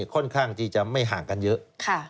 ค่อนข้างที่จะไม่ห่างกันเยอะ